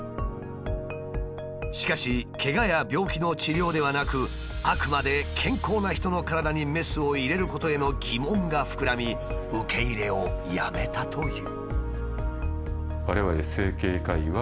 しかしケガや病気の治療ではなくあくまで健康な人の体にメスを入れることへの疑問が膨らみ受け入れをやめたという。